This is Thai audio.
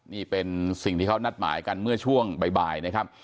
นี่เป็นสิ่งที่เขานัดหมายกันเมื่อช่วงบ่ายนะครับ